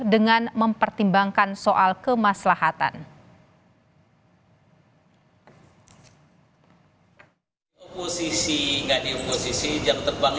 dengan mempertimbangkan soal kemaslahatan